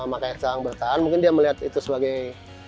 makanya sekarang bertahan mungkin dia melihat itu sebagai